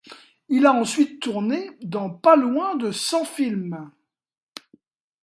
Il a ensuite tourné dans pas loin de cent films.